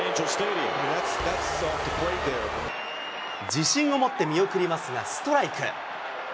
自信を持って見送りますが、ストライク。